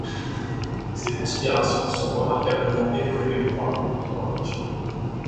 Ces considérations sont remarquablement évoluées pour un groupe de rock.